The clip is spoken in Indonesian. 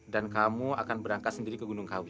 dan kamu akan berangkat sendiri ke gunungkawi